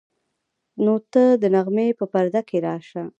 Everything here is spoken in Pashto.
نو ته د نغمې په پرده کې راشه.